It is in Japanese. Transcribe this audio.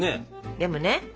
でもね